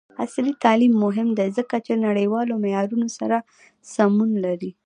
عصري تعلیم مهم دی ځکه چې نړیوالو معیارونو سره سمون لري.